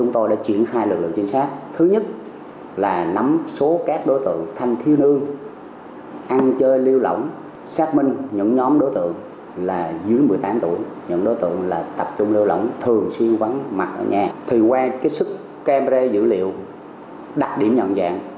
thì qua kích sức camera dữ liệu đặt điểm nhận dạng